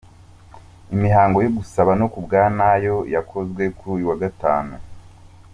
Imihango yo gusaba no kubwa nayo yakozwe kuri uyu wa Gatanu.